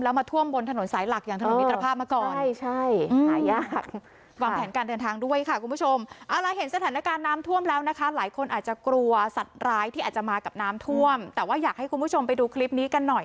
แล้วมาท่วมบนถนนสายหลักอย่างถนนมิตรภาพมาก่อน